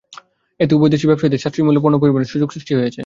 এতে উভয় দেশের ব্যবসায়ীদের সাশ্রয়ী মূল্যে পণ্য পরিবহনের সুযোগ সৃষ্টি হয়েছে।